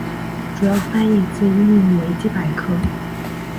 主要翻译自英文维基百科。